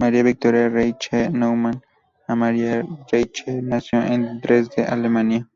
María Victoria Reiche Neumann o María Reiche nació en Dresde, Alemania.